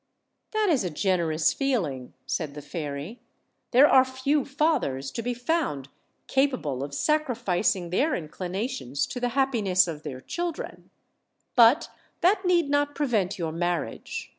"That is a generous feeling," said the fairy; "there are few fathers to be found capable of sacrificing their inclinations to the happiness of their children; but that need not prevent your marriage.